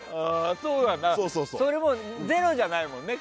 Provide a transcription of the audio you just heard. それもゼロじゃないもんね。